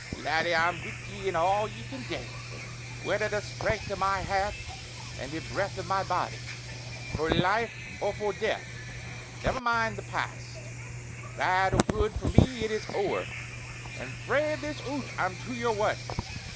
Laddie, I'm wi' ye in all ye can dae! Wi' a' the strength o' my hairt an' the breath o' my body; for life or for death! Ne'er mind the past; bad or good for me it is ower; and frae this oot I'm to your wark.